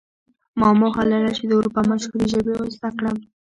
ما موخه لرله چې د اروپا مشهورې ژبې زده کړم